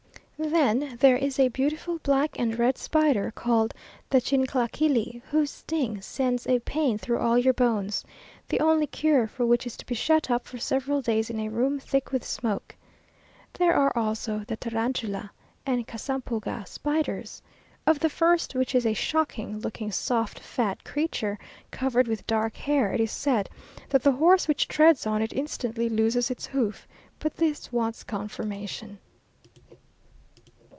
Then there is a beautiful black and red spider, called the chinclaquili, whose sting sends a pain through all your bones; the only cure for which is to be shut up for several days in a room thick with smoke. There are also the tarantula and casampulga spiders. Of the first, which is a shocking looking soft fat creature, covered with dark hair, it is said that the horse which treads on it instantly loses its hoof but this wants confirmation.